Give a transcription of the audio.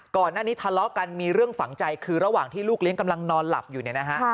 ก่อนหน้านี้ทะเลาะกันมีเรื่องฝังใจคือระหว่างที่ลูกเลี้ยงกำลังนอนหลับอยู่เนี่ยนะฮะ